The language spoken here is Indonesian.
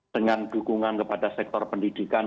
dengan dukungan kepada sektor pendidikan